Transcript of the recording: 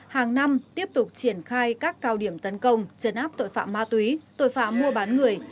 hàng năm tiếp tục triển khai các cao điểm tấn công chấn áp tội phạm ma túy tội phạm mua bán người